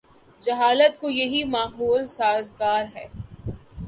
جہالت کو یہی ماحول سازگار ہے۔